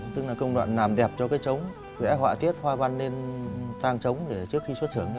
tức là công đoạn làm đẹp cho cái trống vẽ họa tiết hoa văn lên sang trống để trước khi xuất xưởng nhá